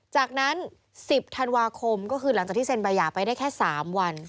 จากนั้น๑๐ธันวาคมก็คือหลังจากที่เซ็นใบหย่าไปได้แค่๓วัน